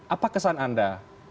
apa kesan anda